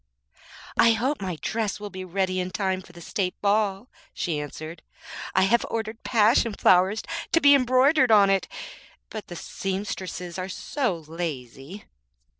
'I hope my dress will be ready in time for the State ball,' she answered; 'I have ordered passion flowers to be embroidered on it; but the seamstresses are so lazy.'